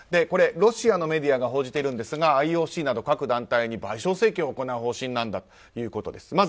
ロシアのメディアが報じているんですがＩＯＣなど各団体に賠償請求を行う方針だということです。